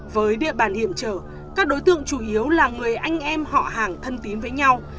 với địa bàn hiểm trở các đối tượng chủ yếu là người anh em họ hàng thân tín với nhau